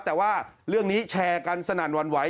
แต่ว่าเรื่องนี้แชร์กันสนั่นหวั่นไหว